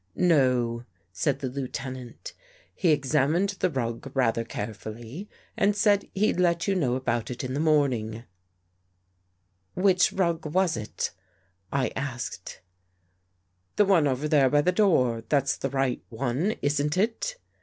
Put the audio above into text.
"" No," said the Lieutenant. " He examined the rug rather carefully and said he'd let you know about it in the morning." 76 THE FACE UNDER THE PAINT " Which rug was it? " I asked. " The one over there by the door. That was the right one, wasn't it?"